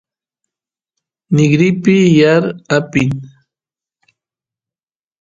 nigrinpi yaar apin